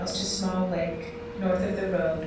Small Lake. North of the road.